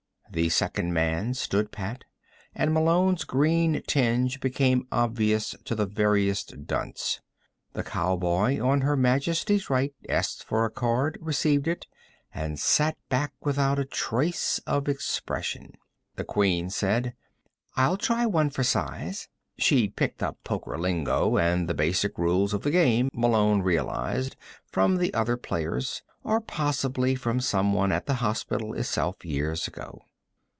The second man stood pat and Malone's green tinge became obvious to the veriest dunce. The cowboy, on Her Majesty's right, asked for a card, received it and sat back without a trace of expression. The Queen said: "I'll try one for size." She'd picked up poker lingo, and the basic rules of the game, Malone realized, from the other players or possibly from someone at the hospital itself, years ago.